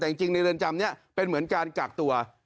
แต่จริงในเรือนจำนี้เป็นเหมือนการกากตัว